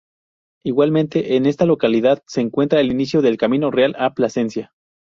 Igualmente en esta localidad se encuentra el inicio del camino real a Plasencia.